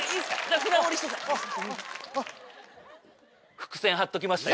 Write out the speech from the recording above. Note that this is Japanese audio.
伏線張っときましたよ。